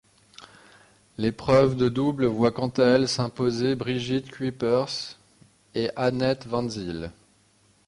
L'épreuve de double voit quant à elle s'imposer Brigitte Cuypers et Annette Van Zyl.